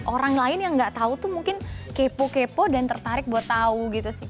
orang lain yang nggak tahu tuh mungkin kepo kepo dan tertarik buat tahu gitu sih